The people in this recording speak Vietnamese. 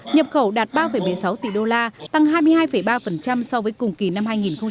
nhập khẩu đạt ba một mươi sáu tỷ đô la tăng hai mươi hai ba so với cùng kỳ năm hai nghìn một mươi chín